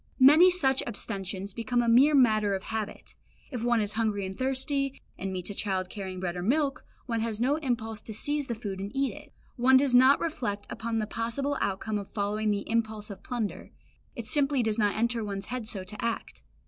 Many such abstentions become a mere matter of habit. If one is hungry and thirsty, and meets a child carrying bread or milk, one has no impulse to seize the food and eat it. One does not reflect upon the possible outcome of following the impulse of plunder; it simply does not enter one's head so to act.